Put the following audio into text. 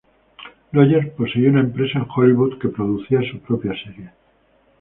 Rogers poseía una empresa en Hollywood que producía su propia serie.